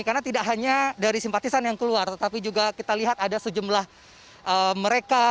karena tidak hanya dari simpatisan yang keluar tetapi juga kita lihat ada sejumlah mereka